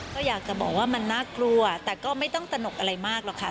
ก็อยากจะบอกว่ามันน่ากลัวแต่ก็ไม่ต้องตนกอะไรมากหรอกค่ะ